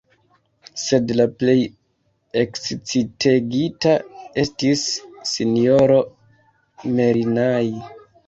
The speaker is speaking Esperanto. Sed la plej ekscitegita estis S-ro Merinai.